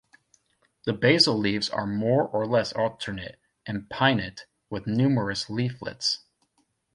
The basal leaves are more or less alternate, and pinnate, with numerous leaflets.